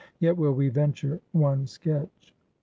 Yet will we venture one sketch.